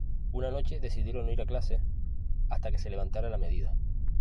Una noche decidieron no ir a clases, hasta que se levantara la medida.